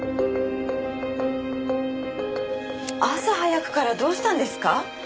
朝早くからどうしたんですか？